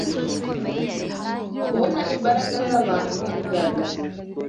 Kubona imbaraga z'abantu kugaragaza